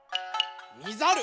みざる。